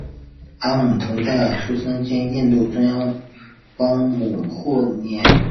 阿姆倍伽尔出生在今印度中央邦姆霍沃。